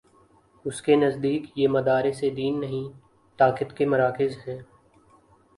اس کے نزدیک یہ مدارس دین نہیں، طاقت کے مراکز ہیں۔